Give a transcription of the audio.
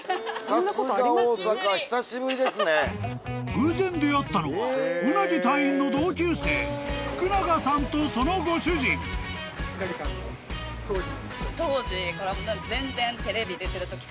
［偶然出会ったのは鰻隊員の同級生福永さんとそのご主人］当時。